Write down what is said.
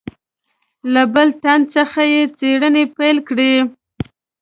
له بل تن څخه یې څېړنې پیل کړې.